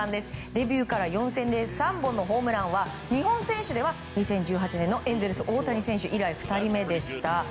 デビューから４戦で３本のホームランは日本選手としては２０１８年の大谷選手以来、２人目でした。